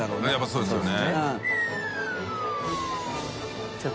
そうですね。